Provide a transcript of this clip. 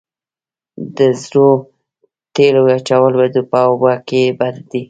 د زړو تیلو اچول په اوبو کې بد دي؟